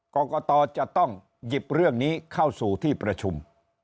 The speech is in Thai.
กรกตจะต้องหยิบเรื่องนี้เข้าสู่ที่ประชุม